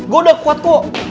gue udah kuat kok